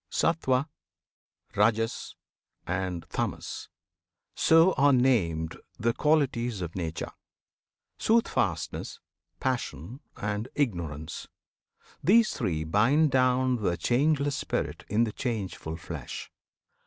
Sattwan, Rajas, and Tamas, so are named The qualities of Nature, "Soothfastness," "Passion," and "Ignorance." These three bind down The changeless Spirit in the changeful flesh.